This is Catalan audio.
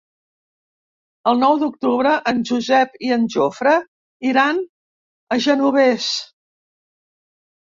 El nou d'octubre en Josep i en Jofre iran al Genovés.